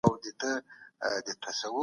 د توکم د خوندیتوب له ځايه کمزوری سته.